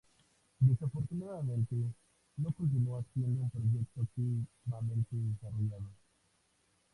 Desafortunadamente, no continúa siendo un proyecto activamente desarrollado.